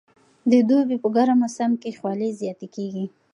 د دوبي په ګرم موسم کې خولې زیاتې کېږي.